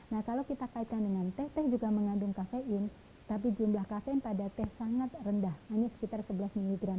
nah kalau kita kaitkan dengan teh teh juga mengandung kafein tapi jumlah kafein pada teh sangat rendah hanya sekitar sebelas miligram